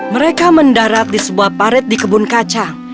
mereka mendarat di sebuah paret di kebun kacang